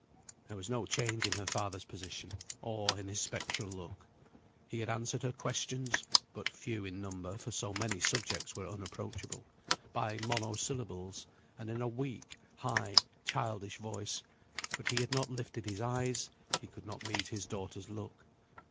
There was no change in her father's position, or in his spectral look. He had answered her questions (but few in number, for so many subjects were unapproachable) by monosyllables, and in a weak, high, childish voice; but he had not lifted his eyes; he could not meet his daughter's look.